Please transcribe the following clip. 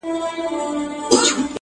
نسلونه تېرېږي بيا بيا تل